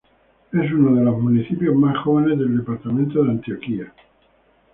Es uno de los municipios más jóvenes del departamento de Antioquia.